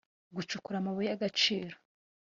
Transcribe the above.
gucukura amabuye y agaciro